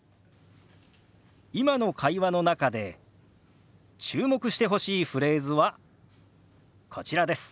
今の会話の中で注目してほしいフレーズはこちらです。